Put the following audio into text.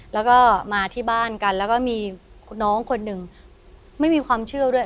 แล้วก็มาที่บ้านกันแล้วก็มีน้องคนหนึ่งไม่มีความเชื่อด้วย